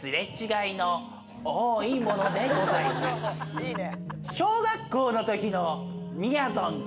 いいね。